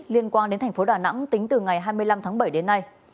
liên quan đến thành phố đà nẵng tính từ ngày hai mươi năm tháng bảy đến nay